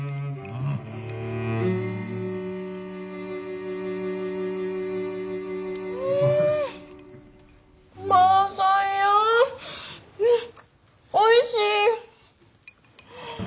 うんおいしい！